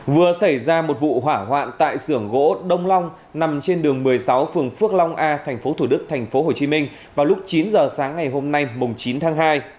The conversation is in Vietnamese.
vừa xảy ra một vụ hỏa hoạn tại sưởng gỗ đông long nằm trên đường một mươi sáu phường phước long a tp thủ đức tp hcm vào lúc chín giờ sáng ngày hôm nay chín tháng hai